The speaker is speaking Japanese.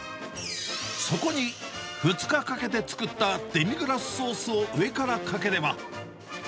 そこに２日かけて作ったデミグラスソースを上からかければ。